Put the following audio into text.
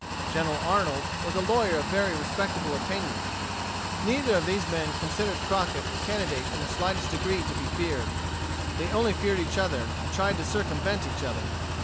General Arnold was a lawyer of very respectable attainments. Neither of these men considered Crockett a candidate in the slightest degree to be feared. They only feared each other, and tried to circumvent each other.